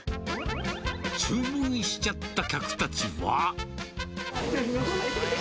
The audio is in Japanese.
注文しちゃった客たちは。